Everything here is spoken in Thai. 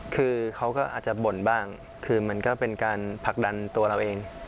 คือเขาก็อาจจะบ่นบ้างคือมันก็เป็นการผลักดันตัวเราเอง